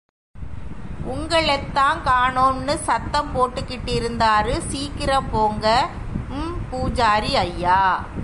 உங்களெத்தாங் காணோம்னு சத்தம் போட்டுகிட்டிருந்தாரு சீக்கிரம் போங்க........ ம்........ பூசாரி ஐயா!